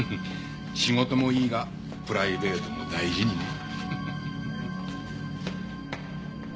仕事もいいがプライベートも大事にね。